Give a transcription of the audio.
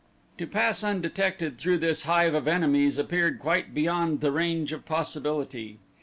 To pass undetected through this hive of enemies appeared quite beyond the range of possibility.